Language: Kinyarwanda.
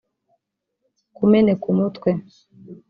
kumeneka umutwe